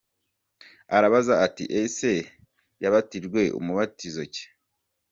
Arambaza ati : “Ese yabatijwe umubatizo ki ?